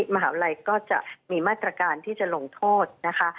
มหาวิทยาลัยก็จะมีมาตรการที่จะลงโทษนะคะ